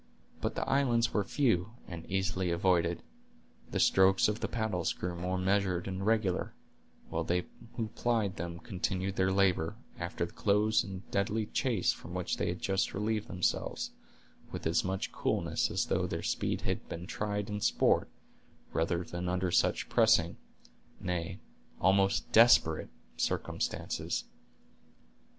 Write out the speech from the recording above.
But the islands were few, and easily avoided. The strokes of the paddles grew more measured and regular, while they who plied them continued their labor, after the close and deadly chase from which they had just relieved themselves, with as much coolness as though their speed had been tried in sport, rather than under such pressing, nay, almost desperate, circumstances.